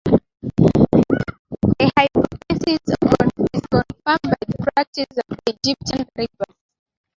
The hypothesis is confirmed by the practice of the Egyptian reapers.